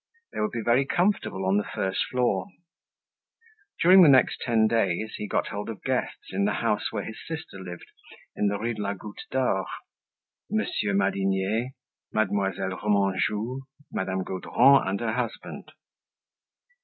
They would be very comfortable on the first floor. During the next ten days, he got hold of guests in the house where his sister lived in the Rue de la Goutte d'Or—Monsieur Madinier, Mademoiselle Remanjou, Madame Gaudron and her husband.